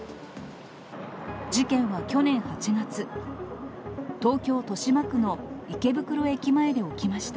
事件は去年８月、東京・豊島区の池袋駅前で起きました。